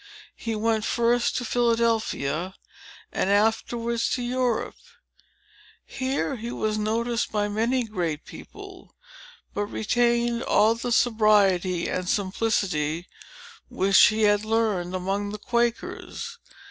He went first to Philadelphia, and afterwards to Europe. Here he was noticed by many great people, but retained all the sobriety and simplicity which he had learned among the Quakers.